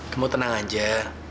kamu tenang aja